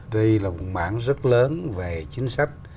đây là một mảng rất lớn về chính sách